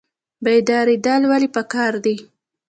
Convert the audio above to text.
بیداریدل ولې پکار دي؟